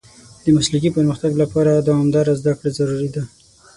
د مسلکي پرمختګ لپاره دوامداره زده کړه ضروري ده.